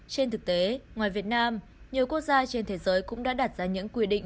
trên thực tế ngoài việt nam nhiều quốc gia trên thế giới cũng đã đặt ra những quy định